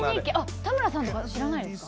田村さんとか知らないですか？